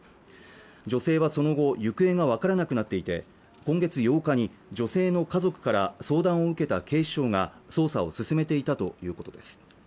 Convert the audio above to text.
女性はその後行方がわからなくなっていて今月８日に女性の家族から相談を受けた警視庁が捜査を進めていたということです